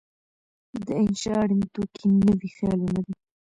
د انشأ اړین توکي نوي خیالونه دي.